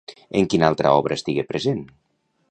En quina altra obra estigué present?